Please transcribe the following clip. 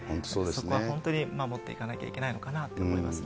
そこは本当に守っていかなきゃいけないのかなと思いますね。